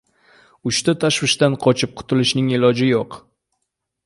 Uchta tashvishdan qochib qutulishning iloji yo‘q.